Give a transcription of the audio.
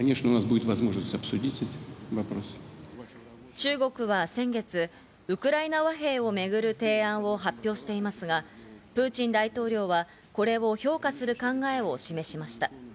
中国は先月、ウクライナ和平を巡る提案を発表していますが、プーチン大統領は、これを評価する考えを示しました。